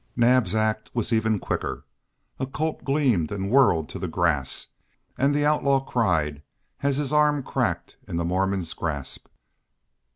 Naab's act was even quicker. A Colt gleamed and whirled to the grass, and the outlaw cried as his arm cracked in the Mormon's grasp.